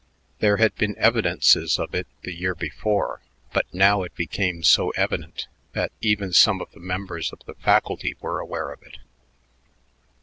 There had been evidences of it the year before, but now it became so evident that even some of the members of the faculty were aware of it.